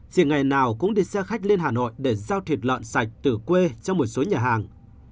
diện ngày nào cũng đi xe khách lên hà nội để giao thịt lợn sạch từ quê cho một số nhà hàng